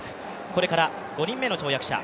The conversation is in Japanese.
これから５人目の跳躍者。